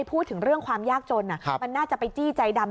พูดถึงเรื่องความยากจนมันน่าจะไปจี้ใจดำ